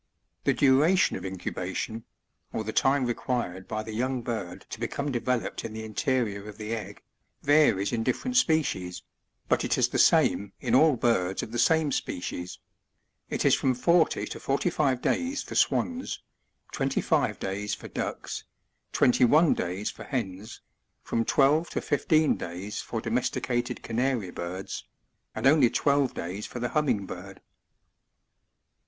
4. The duration of inciibation, (or the time required by the young bird to become developed in the interior of the egg) varies in different species, but it is the same in all birds of the same species ; it is from forty to forty five days for Swans, twenty five days for Ducks, twenty one days for Hens, from twelve to fifteen days for domesticated Canary birds, and only twelve days for the Humming bird.